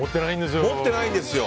持ってないんですよ。